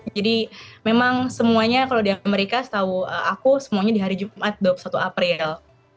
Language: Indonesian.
jadi memang semuanya kalau di amerika setahu aku semuanya di hari jumat dua puluh satu april